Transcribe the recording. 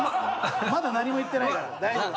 まだ何も言ってないから大丈夫。